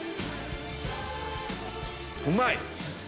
うまい！